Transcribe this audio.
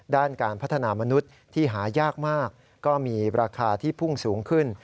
ด้านการพัฒนามนุษย์ที่หายากมากก็มีราคาที่พุ่งสูงขึ้น